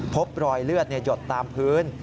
พบรอยเลือดหยดตามพื้น